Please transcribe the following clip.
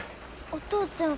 お父ちゃん